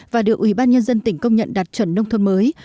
và được ubnd tỉnh công nhận đạt chuẩn nông thôn mới